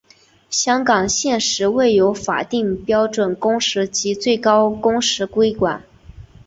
香港现时未有法定标准工时及最高工时规管。